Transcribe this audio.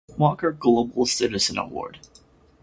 Walker Global Citizen Award.